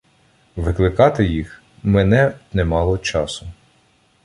Викликати їх — мине немало часу.